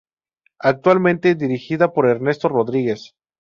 Actualmente dirigida por Ernesto Rodríguez.